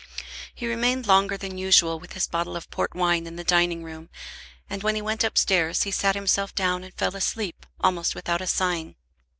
He remained longer than usual with his bottle of port wine in the dining room; and when he went upstairs, he sat himself down and fell asleep, almost without a sign.